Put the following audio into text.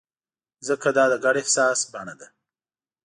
ځکه دا د ګډ احساس بڼه ده.